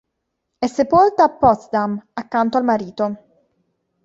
È sepolta a Potsdam accanto al marito.